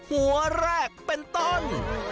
หัวแรกเป็นต้น